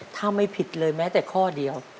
ถ้าไม่ผิดเลยแม้แต่ข้อเดียว